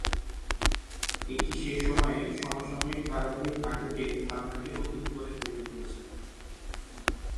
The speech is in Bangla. এটি সে সময়ে সমসাময়িক ধারাবাহিক নাটকের ধারণাকে নতুন করে তৈরি করেছিল।